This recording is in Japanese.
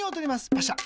パシャ。